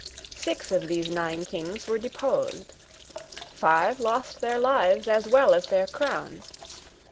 Six of these nine Kings were deposed. Five lost their lives as well as their crowns.